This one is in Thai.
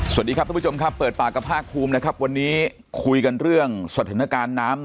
สวัสดีครับทุกผู้ชมครับเปิดปากกับภาคภูมินะครับวันนี้คุยกันเรื่องสถานการณ์น้ำ